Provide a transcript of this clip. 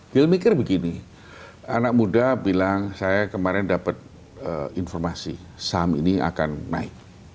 deal mikir begini anak muda bilang saya kemarin dapat informasi saham ini akan naik